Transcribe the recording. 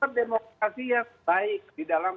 berdemokrasi yang baik di dalam